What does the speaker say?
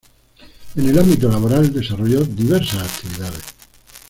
En el ámbito laboral desarrolló diversas actividades.